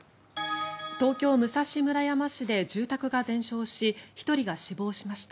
東京・武蔵村山市で住宅が全焼し１人が死亡しました。